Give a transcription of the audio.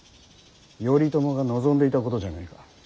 頼朝が望んでいたことじゃねえか。